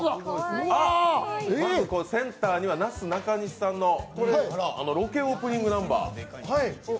センターには、なすなかにしさんのロケオープニングナンバー。